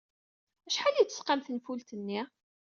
Acḥal ay d-tesqam tenfult-nni?